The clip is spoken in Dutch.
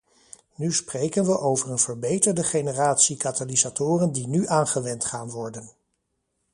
Nu spreken we over een verbeterde generatie katalysatoren die nu aangewend gaan worden.